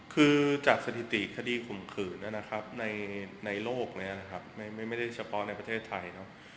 คือจากสถิติคดีข่มขืนนะครับในโลกนี้นะครับไม่ได้เฉพาะในประเทศไทยเนอะ